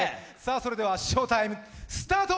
それではショータイム、スタート！